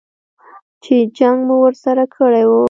چې جنګ مو ورسره کړی و.